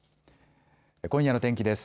今夜の天気です。